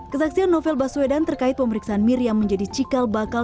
kesaksian novel baswedan terkait pemeriksaan miriam menjadi cikal bakal